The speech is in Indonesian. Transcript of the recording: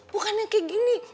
bukannya kayak gini